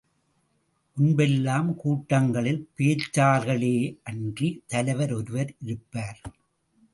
முன்பெல்லாம் கூட்டங்களில் பேச்சாளர்களேயன்றித் தலைவர் ஒருவர் இருப்பார்.